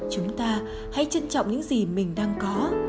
chúng ta hãy trân trọng những gì mình đang có